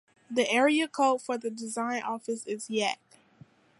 The area code for the design office is Yak.